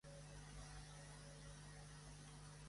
Pare d'Agustí Buades i Muntaner, també pintor.